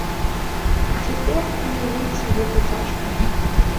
Цяпер уявіць гэта цяжка.